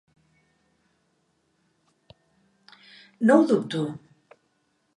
No ho dubto!